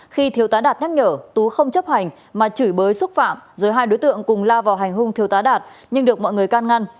khi thiếu tá đạt nhắc nhở tú không chấp hành mà chửi bới xúc phạm rồi hai đối tượng cùng lao vào hành hung thiêu tá đạt nhưng được mọi người can ngăn